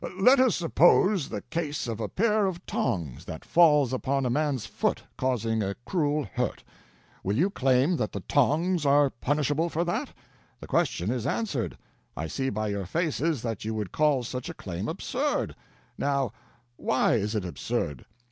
Let us suppose the case of a pair of tongs that falls upon a man's foot, causing a cruel hurt. Will you claim that the tongs are punishable for that? The question is answered; I see by your faces that you would call such a claim absurd. Now, why is it absurd?